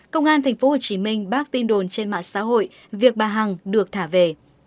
công an tp hcm bác tin đồn trên mạng xã hội việc bà hằng được thả về